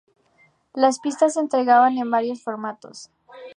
Las pistas se entregaban en varios formatos.